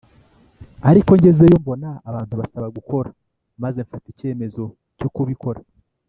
ariko ngezeyo mbona abantu basaba gukora maze mfata icyemezo cyo kubikora.